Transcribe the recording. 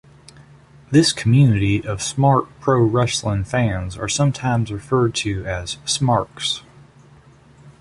This community of "smart" pro-wrestling fans are sometimes referred to as "smarks".